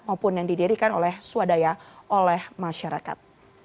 maupun yang didirikan oleh swadaya oleh masyarakat